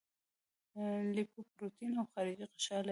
لیپوپروټین او خارجي غشا لري.